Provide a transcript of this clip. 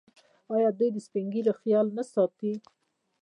آیا دوی د سپین ږیرو خیال نه ساتي؟